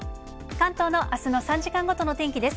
関東のあすの３時間ごとの天気です。